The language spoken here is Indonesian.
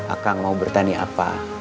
akang mau bertani apa